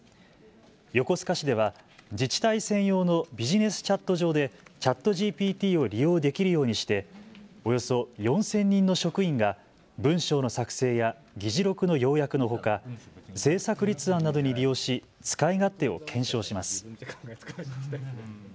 横須賀市では自治体専用のビジネスチャット上でＣｈａｔＧＰＴを利用できるようにして、およそ４０００人の職員が文章の作成や議事録の要約のほか、政策立案などに利用し使い勝手を検証します。